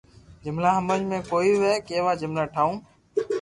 جملا ھمج مي ڪوئي َوي ڪيوا جمللا ٺاو